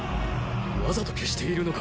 わざと消しているのか。